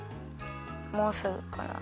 もうすぐかな？